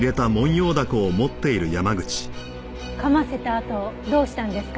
噛ませたあとどうしたんですか？